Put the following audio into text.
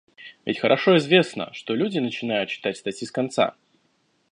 Ведь хорошо известно, что люди начинают читать статьи с конца